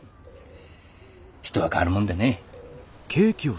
人は変わるもんだねぇ。